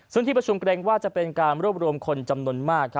ซึ่งที่ประชุมเกรงว่าจะเป็นการรวบรวมคนจำนวนมาก